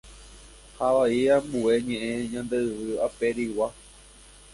ha avei ambue ñe'ẽ ñande yvy ape arigua.